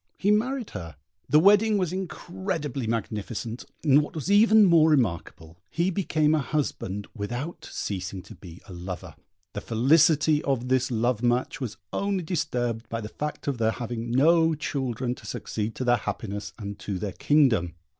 He married her: the wedding was incredibly magnificent; and what was even more remarkable, he became a husband without ceasing to be a lover. The felicity of this love match was only disturbed by the fact of their having no children to succeed to their happiness and to their kingdom.